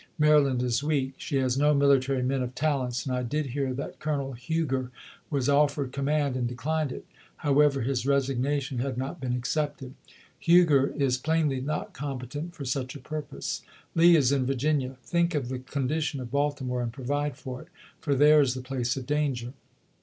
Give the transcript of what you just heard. Maryland is weak. She has no military men of talents, and I did hear that Colonel Huger was offered command and declined it — however, his resignation had not been accepted. Huger is plainly not competent for WASHINGTON IN DANGEE 149 such a purpose. Lee is in Virginia. Think of the con chap. vii. dition of Baltimore and provide for it, for there is the place of danger.